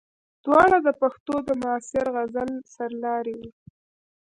دواړه د پښتو د معاصر غزل سرلاري وو.